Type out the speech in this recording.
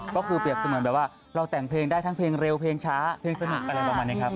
ก็คือเปรียบเสมือนแบบว่าเราแต่งเพลงได้ทั้งเพลงเร็วเพลงช้าเพลงสนุกอะไรประมาณนี้ครับ